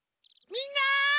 みんな！